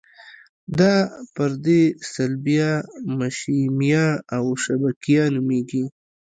دا پردې صلبیه، مشیمیه او شبکیه نومیږي.